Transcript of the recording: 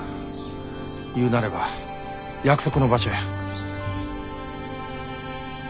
言うなれば約束の場所や。